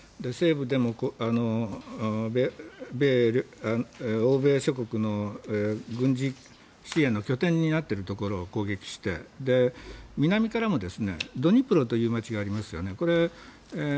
西部でも欧米諸国の軍事支援の拠点になっているところを攻撃して、南からもドニプロという街がありますよね。